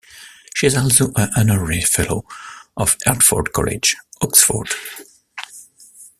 She is also an Honorary Fellow of Hertford College, Oxford.